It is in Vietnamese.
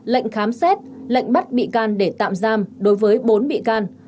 lệnh khám xét lệnh bắt bị can để tạm giam đối với bốn bị can